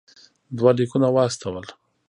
دوه لیکونه واستول.